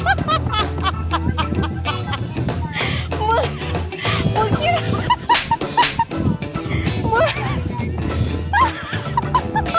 ไม่รับหัวตอนนอนลงตอนนอนลงไป